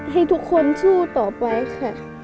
ให้ทุกคนสู้ต่อไปค่ะ